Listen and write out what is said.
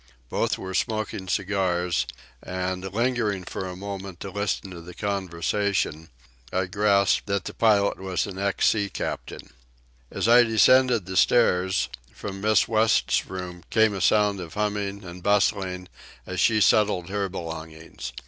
Both were smoking cigars; and, lingering for a moment to listen to the conversation, I grasped that the pilot was an ex sea captain. As I descended the stairs, from Miss West's room came a sound of humming and bustling, as she settled her belongings.